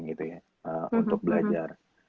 gitu ya untuk belajar